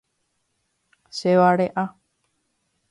Chevare'a.